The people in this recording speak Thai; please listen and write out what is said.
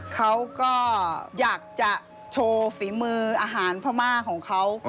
เขาก็อยากจะโชว์ฝีมืออาหารพม่าของเขา